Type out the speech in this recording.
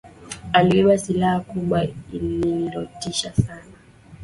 Alibeba silaha kubwa lililotisha sana.